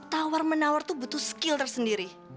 tawar menawar itu butuh skill tersendiri